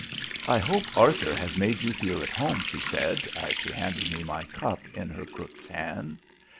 "I hope Arthur has made you feel at home," she said as she handed me my cup in her crooked hand.